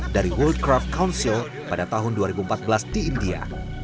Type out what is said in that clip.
dari world crab council pada tahun dua ribu empat belas di india